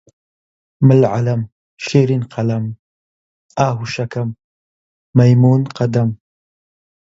مل عەلەم، شیرین قەلەم، ئاهوو شکەم، مەیموون قەدەم